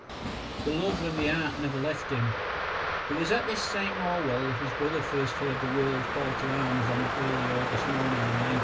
The love and the art never left him. It was at this same Orwell his brother first heard the world called to arms on that early August morning in 1914.